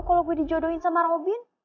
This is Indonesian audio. kalau gue dijodohin sama robin